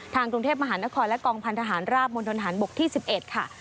กรุงเทพมหานครและกองพันธหารราบมณฑนฐานบกที่๑๑ค่ะ